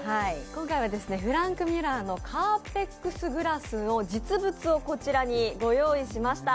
今回はフランクミュラーのカーベックスグラスの実物をこちらにご用意しました。